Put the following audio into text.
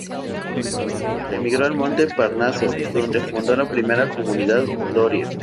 Emigró al monte Parnaso donde fundó la primera comunidad doria.